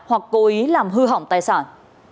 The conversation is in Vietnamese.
hoặc cố ý làm hư hỏng tài sản